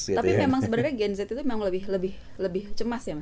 tapi memang sebenarnya gen z itu memang lebih cemas ya mas